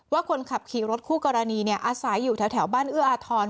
ว่าคนขับขี่รถคู่กรณีอาศัยอยู่แถวบ้านเอื้ออาทร